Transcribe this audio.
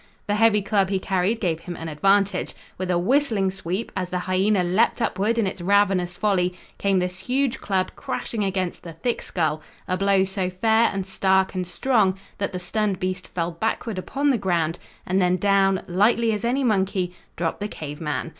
The heavy club he carried gave him an advantage. With a whistling sweep, as the hyena leaped upward in its ravenous folly, came this huge club crashing against the thick skull, a blow so fair and stark and strong that the stunned beast fell backward upon the ground, and then, down, lightly as any monkey, dropped the cave man.